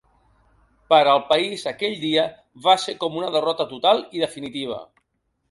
Per al país, aquell dia va ser com una derrota total i definitiva.